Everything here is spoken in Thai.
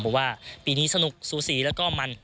เพราะว่าปีนี้สนุกสูสีและก็มัน